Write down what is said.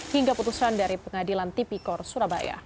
hingga putusan dari pengadilan tipikor surabaya